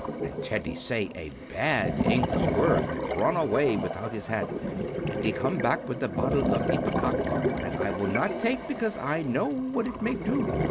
And Teddy say a bad English word and run away without his hat and he come back with a bottle of ipecac and I will not take because I know what it make do.